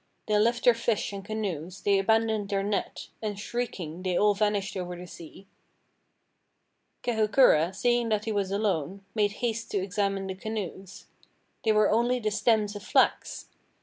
They left their fish and canoes, they abandoned their net. And shrieking they all vanished over the sea. Kahukura, seeing that he was alone, made haste to examine the canoes. They were only the stems of flax!